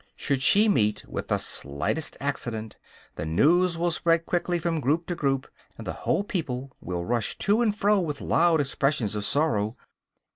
Should she meet with the slightest accident, the news will spread quickly from group to group, and the whole people will rush to and fro with loud expressions of sorrow.